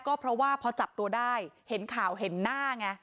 ก็เพราะว่าพอจับตัวได้เห็นข่าวเห็นหน้าไง